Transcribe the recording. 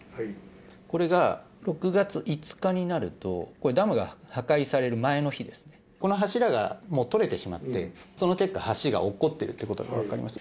これが６月５日になると、これ、ダムが破壊される前の日ですね、この柱がもう取れてしまって、その結果、橋がおっこっているということが分かります。